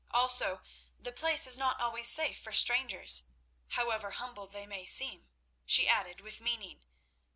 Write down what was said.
Also, the place is not always safe for strangers, however humble they may seem," she added with meaning.